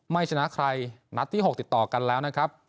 ไม่ชนะใครนัดที่๖ติดต่อกันแล้วนะครับ